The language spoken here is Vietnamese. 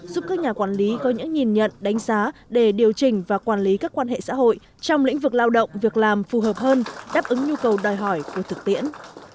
giúp các nhà quản lý có những nhìn nhận đánh giá để điều chỉnh và quản lý các quan hệ xã hội trong lĩnh vực lao động việc làm phù hợp hơn đáp ứng nhu cầu đòi hỏi của thực tiễn